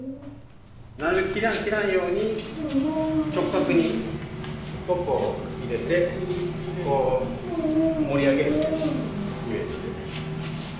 なるべく切らんように直角にスコップを入れてこう盛り上げるみたいなイメージで。